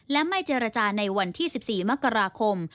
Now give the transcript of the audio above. และไม่เจรจาในวันที่๑๔มกราคม